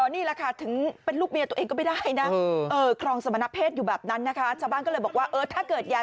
นี่แหละค่ะถึงเป็นลูกเมียตัวเองก็ไม่ได้นะ